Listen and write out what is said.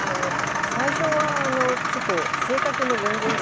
最初はちょっと性格も全然違います。